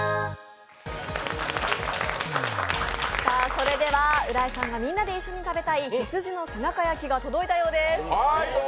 それでは浦井さんがみんなで一緒に食べたい羊の背中焼きが届いたようです。